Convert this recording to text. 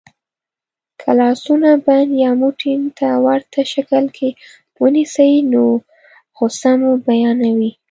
که لاسونه بند یا موټي ته ورته شکل کې ونیسئ نو غسه مو بیانوي.